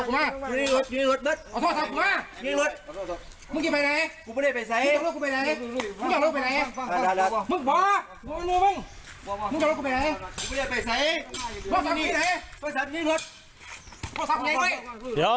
มึงการรถกระบะไปไหน